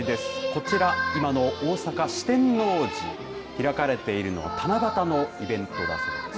こちら今の大阪、四天王寺開かれているのは七夕のイベントだそうです。